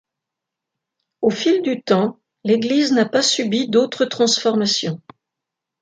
Au fil du temps, l’église n’a pas subi d'autres transformations.